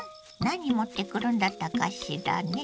何持ってくるんだったかしらね？